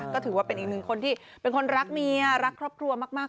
ก็ถือว่าเป็นอีกหนึ่งคนที่เป็นคนรักเมียรักครอบครัวมาก